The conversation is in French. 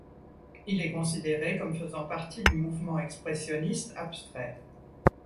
Il est considéré comme faisant partie du mouvement expressionniste abstrait.